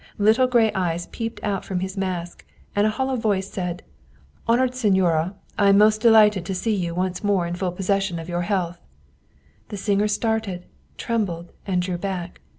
Lit tle gray eyes peeped out from his mask, and a hollow voice said :" Honored signora, I am most delighted to see you once more in full possession of your health." The singer started, trembled, and drew back.